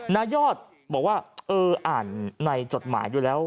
นายอดบอกว่าเอออ่านในจดหมายดูแล้ว